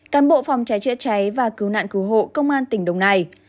cán bộ phòng trái trịa trái và cứu nạn cứu hộ công an tỉnh đồng nai